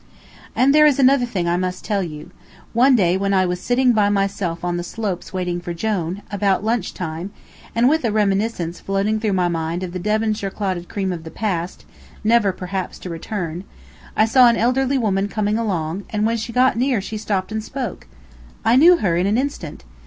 And there is another thing I must tell you. One day when I was sitting by myself on The Slopes waiting for Jone, about lunch time, and with a reminiscence floating through my mind of the Devonshire clotted cream of the past, never perhaps to return, I saw an elderly woman coming along, and when she got near she stopped and spoke. I knew her in an instant.